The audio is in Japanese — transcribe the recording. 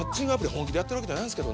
本気でやってるわけじゃないですけどね」